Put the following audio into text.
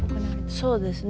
そうですね。